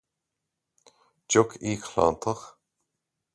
deoch íocshláinteach